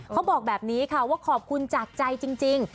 เขาบอกแบบนี้ค่ะว่าขอบคุณจากใจจริง